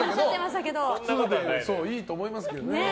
靴でいいと思いますけどね。